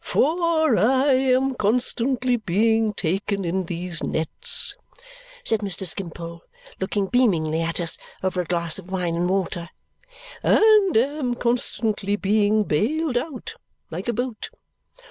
"For I am constantly being taken in these nets," said Mr. Skimpole, looking beamingly at us over a glass of wine and water, "and am constantly being bailed out like a boat.